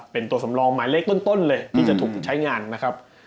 เป็นตัวสำรองหมายเลขต้นเลยที่จะถูกใช้งานนะครับ